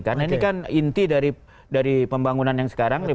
karena ini kan inti dari pembangunan yang sekarang